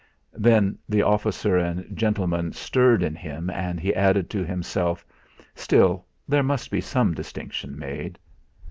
Then the officer and gentleman stirred in him, and he added to himself: 'Still, there must be some distinction made!'